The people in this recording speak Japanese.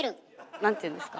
何ていうんですか？